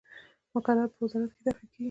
مقرره په وزارت کې طرح کیږي.